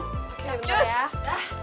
oke bentar ya